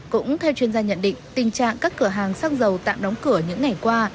cũng theo chuyên gia nhận định tình trạng các cửa hàng xăng dầu tạm đóng cửa những ngày qua